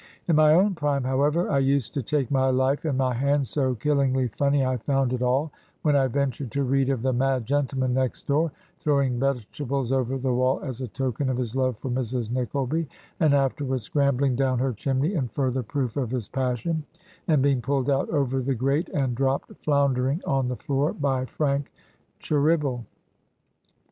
In my own prime, however, I used to take my life in my hand, so kiUingly funny I found it aU, when I ventured to read of the mad gentleman next door, throwing vegetables over the wall as a token of his love for Mrs. Nickleby, and afterwards scrambling down her chimney in further proof of his passion, and being pulled out over the grate and dropped flounder ing on the floor by Frank Cheeryble.